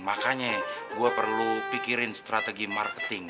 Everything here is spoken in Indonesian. makanya gue perlu pikirin strategi marketing